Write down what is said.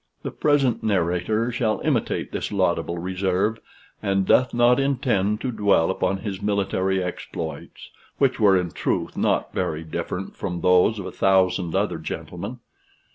The present narrator shall imitate this laudable reserve, and doth not intend to dwell upon his military exploits, which were in truth not very different from those of a thousand other gentlemen.